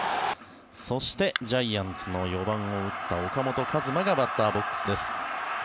そしてジャイアンツの４番を打った岡本和真がバッターボックスです。